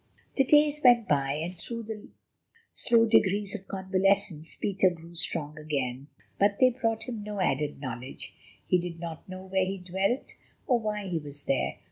The days went by, and through the slow degrees of convalescence Peter grew strong again. But they brought him no added knowledge. He did not know where he dwelt or why he was there.